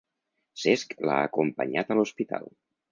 Cesc l'ha acompanyat a l'hospital.